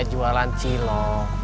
saya jualan cilok